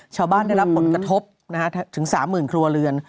ชาวบ้านได้รับผลกระทบนะฮะถึง๓๐๐๐๐ครัวเรือน